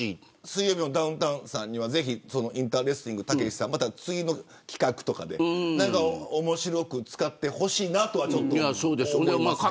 水曜日のダウンタウンさんにはインタレスティングたけしさんを次の企画とかで、面白く使ってほしいなと思います。